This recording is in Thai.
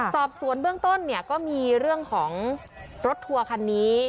สอบสวนเบื้องต้นเนี่ยก็มีเรื่องของรถทัวร์คันนี้